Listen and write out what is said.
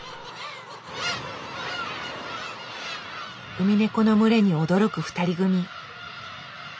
ウミネコの群れに驚く２人組。